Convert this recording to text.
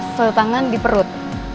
selu tangan di perut